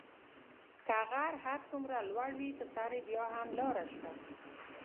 که غر هر څومره لوړ وي په سر یې بیا هم لاره شته .